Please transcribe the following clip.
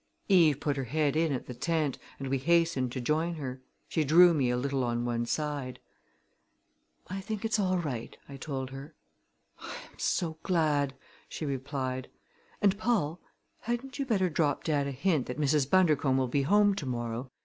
Eve put her head in at the tent and we hastened to join her. She drew me a little on one side. "I think it's all right," I told her. "I am so glad," she replied. "And, Paul, hadn't you better drop dad a hint that Mrs. Bundercombe will be home to morrow?